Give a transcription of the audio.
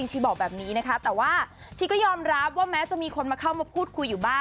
ชิบอกว่าย้อมรับแต่แม้จะมีคนมาเข้ามาพูดคุย